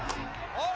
「おい！」